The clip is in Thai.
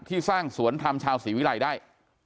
สร้างสวนธรรมชาวศรีวิรัยได้